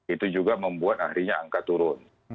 itu juga membuat akhirnya angka turun